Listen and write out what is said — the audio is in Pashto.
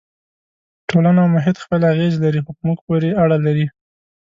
ټولنه او محیط خپلې اغېزې لري خو په موږ پورې اړه لري.